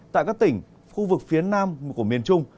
tại các tỉnh khu vực phía nam của miền trung